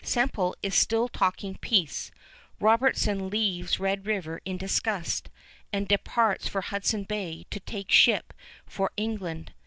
Semple is still talking peace. Robertson leaves Red River in disgust, and departs for Hudson Bay to take ship for England.